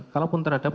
kalau pun terhadap